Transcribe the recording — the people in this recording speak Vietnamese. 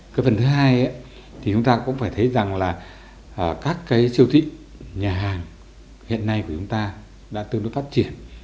cái phần thứ hai thì chúng ta cũng phải thấy rằng là các cái siêu thị nhà hàng hiện nay của chúng ta đã tương đối phát triển